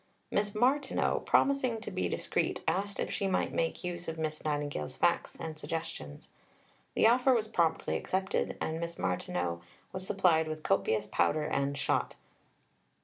Miss Martineau, promising to be discreet, asked if she might make use of Miss Nightingale's facts and suggestions. The offer was promptly accepted, and Miss Martineau was supplied with copious powder and shot.